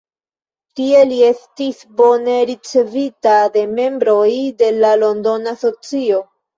Tie li estis bone ricevita de membroj de la Londona socio.